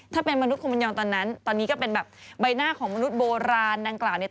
ถ้าเป็นมนุษยคงบรรยอนตอนนั้นตอนนี้ก็เป็นแบบใบหน้าของมนุษย์โบราณดังกล่าวเนี่ย